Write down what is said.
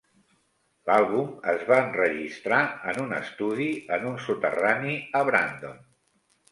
L'àlbum es va enregistrar en un estudi en un soterrani a Brandon.